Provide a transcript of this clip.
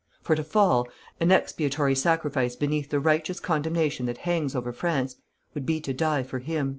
For to fall, an expiatory sacrifice beneath the righteous condemnation that hangs over France, would be to die for Him."